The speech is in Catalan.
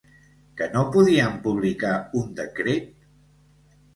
Que no podíem publicar un decret?